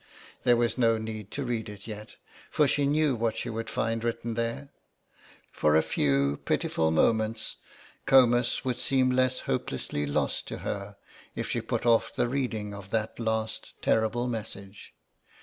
There was no need to read it yet, for she knew what she would find written there. For a few pitiful moments Comus would seem less hopelessly lost to her if she put off the reading of that last terrible message.